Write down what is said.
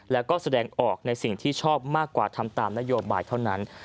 แล้วก็แสดงออกในสิ่งที่ชอบมากกว่าทำตามนโยบายเท่านั้น